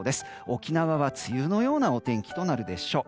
沖縄は梅雨のようなお天気となるでしょう。